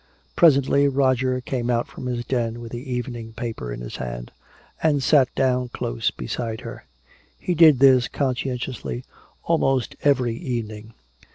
Presently Roger came out from his den with the evening paper in his hand and sat down close beside her. He did this conscientiously almost every evening.